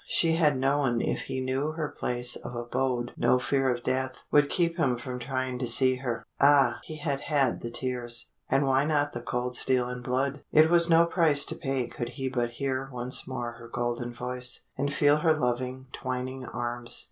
She had known if he knew her place of abode no fear of death would keep him from trying to see her. Ah! he had had the tears and why not the cold steel and blood? It was no price to pay could he but hear once more her golden voice, and feel her loving, twining arms.